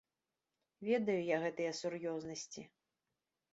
Ведаю я гэтыя сур'ёзнасці.